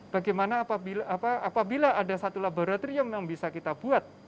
bagaimana apabila ada satu laboratorium yang bisa kita buat